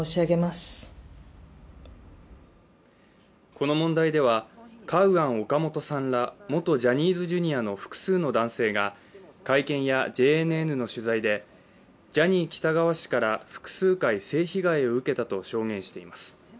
この問題ではカウアン・オカモトさんら元ジャニーズＪｒ．の複数の男性が会見やＪＮＮの取材でジャニー喜多川氏から複数回、性被害を受けたと証言しています。